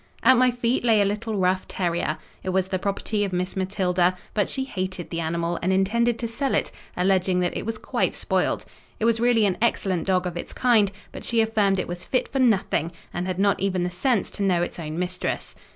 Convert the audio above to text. At my feet lay a little rough terrier. It was the property of Miss Matilda; but she hated the animal, and intended to sell it, alleging that it was quite spoiled. It was really an excellent dog of its kind; but she affirmed it was fit for nothing, and had not even the sense to know its own mistress.